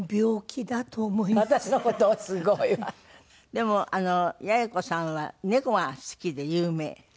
でも八重子さんは猫が好きで有名？